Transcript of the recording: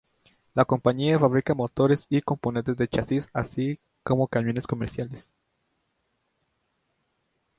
La compañía fabrica motores y componentes de chasis así como camiones comerciales.